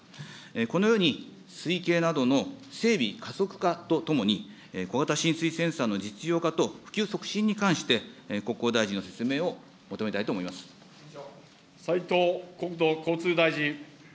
このように水位計などの整備加速化などとともに、小型浸水センサーの実用化と、普及促進に関して、国交大臣の説明を求めたいと思い斉藤国土交通大臣。